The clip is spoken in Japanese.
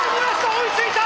追いついた！